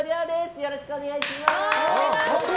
よろしくお願いします！